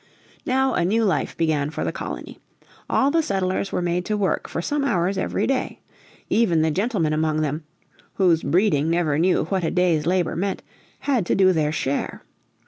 Now a new life began for the colony. All the settlers were made to work for some hours every day. Even the gentlemen among them, "whose breeding never knew what a day's labour meant," had to do their share.